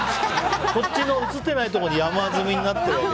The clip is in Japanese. こっちの映ってないところに山積みになってない？